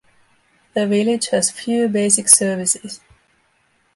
The village has few basic services.